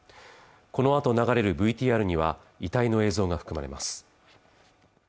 このあと流れるＶＴＲには遺体の映像が含まれます